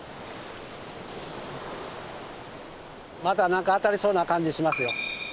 また何かアタりそうな感じしますよ。